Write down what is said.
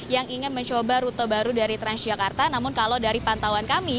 yang ingin mencoba rute baru dari transjakarta namun kalau dari pantauan kami